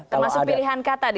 termasuk pilihan kata di sini